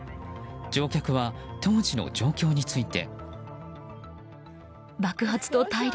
乗客は当時の状況について。